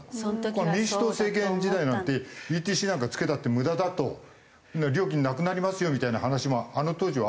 民主党政権時代なんてＥＴＣなんか付けたって無駄だと料金なくなりますよみたいな話もあの当時はあったわけだから。